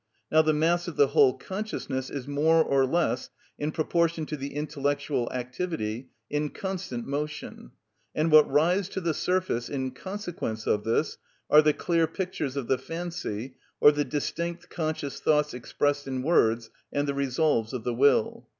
Now the mass of the whole consciousness is more or less, in proportion to the intellectual activity, in constant motion, and what rise to the surface, in consequence of this, are the clear pictures of the fancy or the distinct, conscious thoughts expressed in words and the resolves of the will.